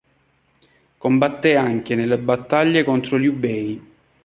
Combatté anche nelle battaglie contro Liu Bei.